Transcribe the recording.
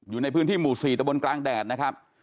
อยู่ในพื้นที่หมู่๔ตะบนกลางแดดนะครับ